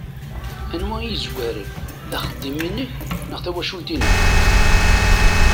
Anwa i yezwaren, d axeddim-inek neɣ d tawacult-inek?